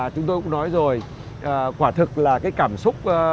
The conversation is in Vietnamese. chúng tôi cũng nói rồi quả thực là cái cảm xúc